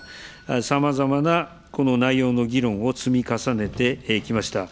さまざまなこの内容の議論を積み重ねてきました。